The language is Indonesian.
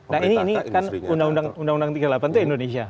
nah ini kan undang undang tiga puluh delapan itu indonesia